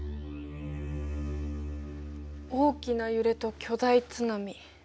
大きな揺れと巨大津波。